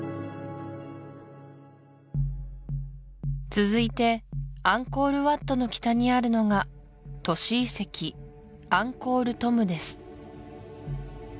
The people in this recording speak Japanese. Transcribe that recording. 続いてアンコール・ワットの北にあるのが都市遺跡アンコール・トムです